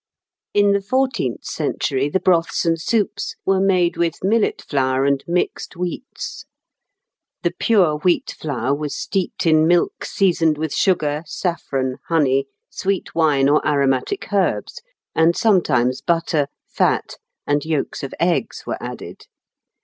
In the fourteenth century the broths and soups were made with millet flour and mixed wheats. The pure wheat flour was steeped in milk seasoned with sugar, saffron, honey, sweet wine or aromatic herbs, and sometimes butter, fat, and yolks of eggs were added.